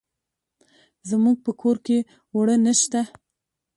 زموږ په کور کې اوړه نشته.